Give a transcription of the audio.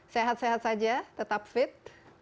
sehat sehat saja tetap fit